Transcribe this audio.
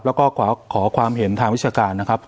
แล้วก็ขอความเห็นทางวิชาการนะครับ